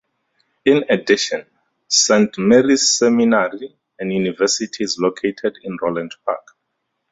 In addition, Saint Mary's Seminary and University is located in Roland Park.